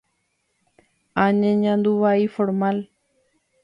añeñandu vai formal.